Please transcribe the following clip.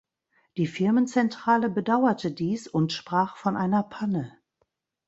Die Firmenzentrale bedauerte dies und sprach von einer Panne.